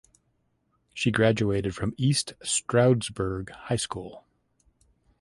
She graduated from East Stroudsburg High School.